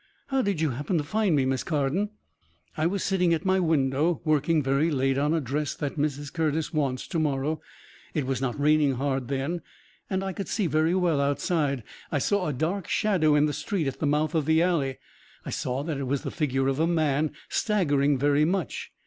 "How did you happen to find me, Miss Carden?" "I was sitting at my window, working very late on a dress that Mrs. Curtis wants to morrow. It was not raining hard then, and I could see very well outside. I saw a dark shadow in the street at the mouth of the alley. I saw that it was the figure of a man staggering very much.